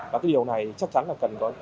và cái điều này chắc chắn là cần có